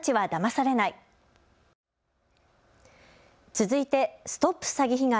続いてＳＴＯＰ詐欺被害！